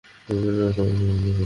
তুই তো নাচ পছন্দ করতি।